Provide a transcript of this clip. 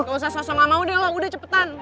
nggak usah sok sok gak mau deh lo udah cepetan